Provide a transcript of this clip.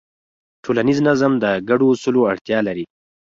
ټولنیز نظم د ګډو اصولو اړتیا لري.